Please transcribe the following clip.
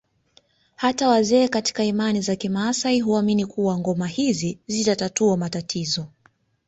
Hata wazee katika imani za kimaasai huamini kuwa ngoma hizi zitatatua matatizo